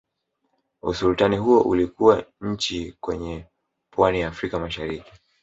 Usultani huo ulikuwa nchi kwenye pwani ya Afrika mashariki